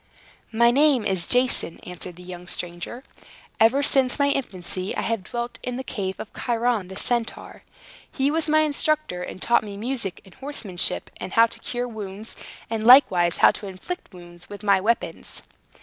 "My name is Jason," answered the young stranger. "Ever since my infancy, I have dwelt in the cave of Chiron the Centaur. He was my instructor, and taught me music, and horsemanship, and how to cure wounds, and likewise how to inflict wounds with my weapons!"